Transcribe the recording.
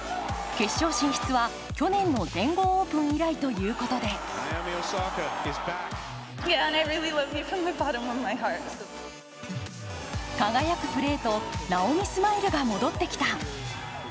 決勝進出は去年の全豪オープン以来ということで輝くプレーとなおみスマイルが戻ってきた。